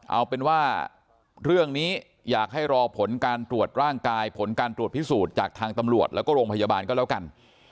เอาเป็นว่าเรื่องนี้อยากให้รอผลการตรวจร่างกายผลการตรวจพิสูจน์จากทางตำรวจแล้วก็โรงพยาบาลก็แล้วกัน